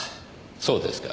そうですか。